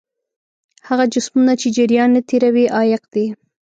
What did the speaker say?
هغه جسمونه چې جریان نه تیروي عایق دي.